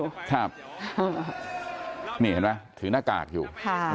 ใช่ค่ะเห็นมั้ยถือหน้ากากอยู่